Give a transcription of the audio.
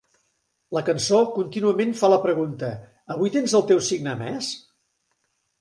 La cançó contínuament fa la pregunta: Avui tens el teu signe més?